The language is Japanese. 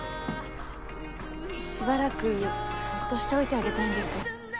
しばらくそっとしておいてあげたいんです。